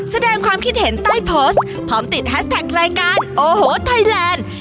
แสดงความคิดเห็นใต้โพสต์พร้อมติดแฮชแท็กรายการโอ้โหไทยแลนด์